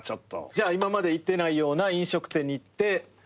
じゃあ今まで行ってないような飲食店に行ってご飯食べたり。